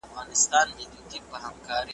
چرګه زما ده او هګۍ د بل کره اچوي .